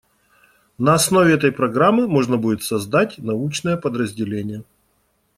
На основе этой программы можно будет создать научное подразделение.